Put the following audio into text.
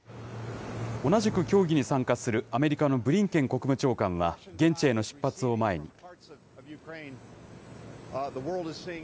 同じく協議に参加するアメリカのブリンケン国務長官は、現地への出発を前に。